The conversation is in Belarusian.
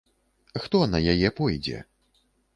Хто на яе пойдзе?